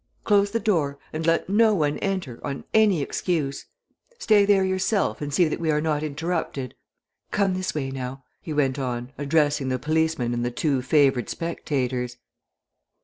Close the door and let no one enter on any excuse. Stay there yourself and see that we are not interrupted. Come this way now," he went on, addressing the policemen and the two favoured spectators.